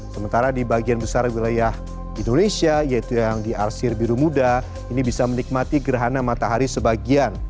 sementara di bagian besar wilayah indonesia yaitu yang di arsir biru muda ini bisa menikmati gerhana matahari sebagian